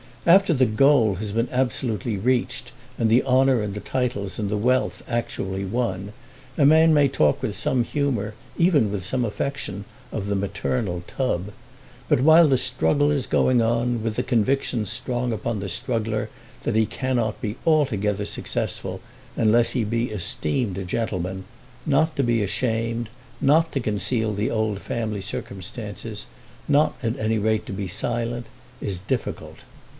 After the goal has been absolutely reached, and the honour and the titles and the wealth actually won, a man may talk with some humour, even with some affection, of the maternal tub; but while the struggle is going on, with the conviction strong upon the struggler that he cannot be altogether successful unless he be esteemed a gentleman, not to be ashamed, not to conceal the old family circumstances, not at any rate to be silent, is difficult.